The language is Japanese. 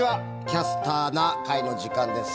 「キャスターな会」の時間です。